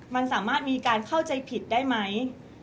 มันสามารถมีการเข้าใจผิดได้ไหม